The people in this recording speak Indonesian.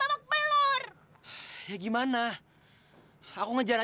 itu tuh bisa buat kita hidup tanpa mengaminkan sama dari tau ga